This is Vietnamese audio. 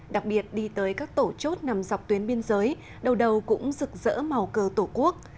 đặc biệt đi tới các tổ chốt nằm dọc tuyến biên giới đầu đầu cũng rực rỡ màu cờ tổ quốc